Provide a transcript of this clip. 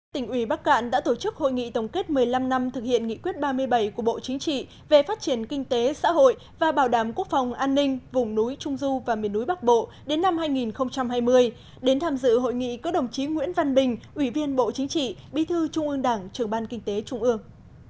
tỉnh ủy bắc cạn đã tổ chức hội nghị tổng kết một mươi năm năm thực hiện nghị quyết ba mươi bảy của bộ chính trị về phát triển kinh tế xã hội và bảo đảm quốc phòng an ninh vùng núi trung du và miền núi bắc bộ đến năm hai nghìn hai mươi đến tham dự hội nghị có đồng chí nguyễn văn bình ủy viên bộ chính trị bí thư trung ương đảng trường ban kinh tế trung ương